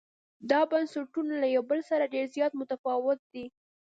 دا بنسټونه له یو بل سره ډېر زیات متفاوت دي.